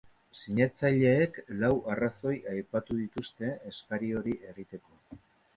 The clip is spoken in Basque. Sinatzaileek lau arrazoi aipatu dituzte eskari hori egiteko.